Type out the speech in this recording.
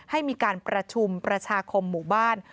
ให้มีการประชุมประชาคมหมู่บ้าน